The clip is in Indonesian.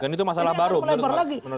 dan itu masalah baru menurut pak amin